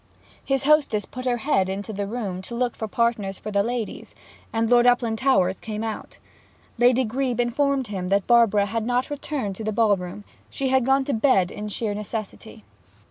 His hostess put her head into the room to look for partners for the ladies, and Lord Uplandtowers came out. Lady Grebe informed him that Barbara had not returned to the ball room: she had gone to bed in sheer necessity.